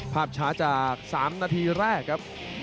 ภาพช้าจาก๓นาทีแรกครับ